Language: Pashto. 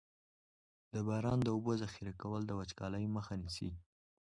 د باران د اوبو ذخیره کول د وچکالۍ مخه نیسي.